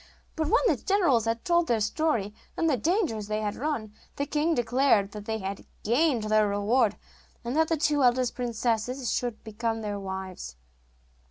But when the generals had told their story, and the dangers they had run, the king declared that they had gained their reward, and that the two eldest princesses should become their wives.